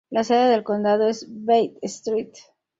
La sede del condado es Bay St.